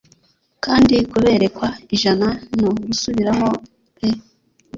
Kandi kuberekwa ijana no gusubiramo pe